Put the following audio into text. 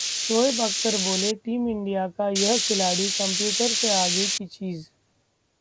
शोएब अख्तर बोले- team India का यह खिलाड़ी कंप्यूटर से आगे की चीज